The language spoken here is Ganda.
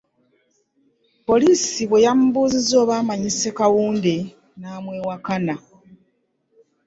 Poliisi bwe yamubuuzizza oba amanyi Ssekawunde n'amwewakana.